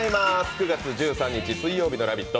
９月１３日水曜日の「ラヴィット！」